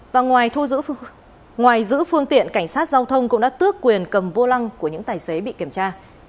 và ngoài giữ phương tiện cảnh sát giao thông cũng đã tước quyền cầm vô lăng của những tài xế bị kiểm tra